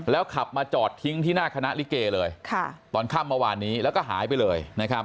ขับมาจอดทิ้งที่หน้าคณะลิเกเลยตอนค่ำเมื่อวานนี้แล้วก็หายไปเลยนะครับ